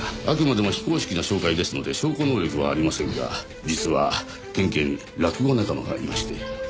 あくまでも非公式な照会ですので証拠能力はありませんが実は県警に落語仲間がいまして。